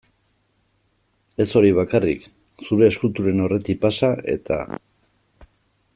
Ez hori bakarrik, zure eskulturen aurretik pasa, eta.